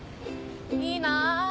いいなぁ。